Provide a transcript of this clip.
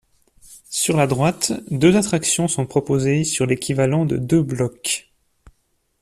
Sur la droite, deux attractions sont proposées sur l'équivalent de deux blocs.